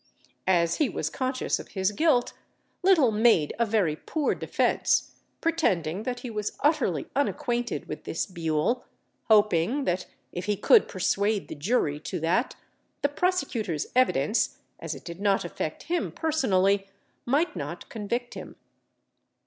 As he was conscious of his guilt, Little made a very poor defence, pretending that he was utterly unacquainted with this Bewle, hoping that if he could persuade the jury to that, the prosecutor's evidence (as it did not affect him personally) might not convict him.